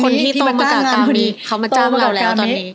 คนที่โตมากับกามิเขามาจ้างมากับกามิ